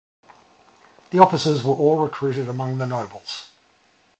The officers were all recruited among the nobles.